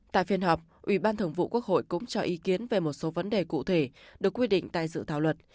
tại phiên họp ủy ban thường vụ quốc hội cũng cho ý kiến về một số vấn đề cụ thể được quy định tại dự thảo luật